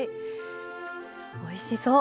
おいしそう。